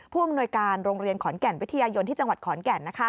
ผู้อำนวยการโรงเรียนขอนแก่นวิทยายนที่จังหวัดขอนแก่น